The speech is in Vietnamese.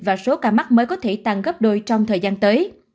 và số ca mắc mới có thể tăng gấp đôi trong thời gian tới